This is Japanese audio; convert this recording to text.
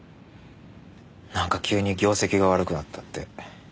なんか急に業績が悪くなったって。